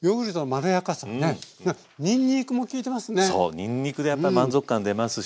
にんにくでやっぱり満足感出ますし